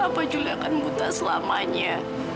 apa julia akan buta selamanya